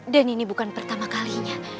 dan ini bukan pertama kalinya